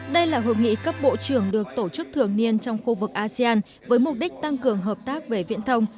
đây là hội nghị cấp bộ trưởng được tổ chức thường niên trong khu vực asean với mục đích tăng cường hợp tác về viễn thông